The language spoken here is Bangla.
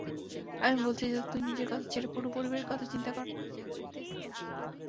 আমি বলছি যে তুই নিজের কথা ছেড়ে পুরো পরিবারের কথা চিন্তা কর।